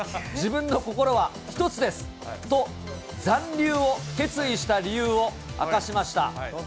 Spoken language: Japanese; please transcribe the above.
自分の心は一つですと残留を決意した理由を明かしました。